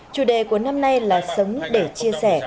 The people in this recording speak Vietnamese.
chủ đề của năm nay là sống để chia sẻ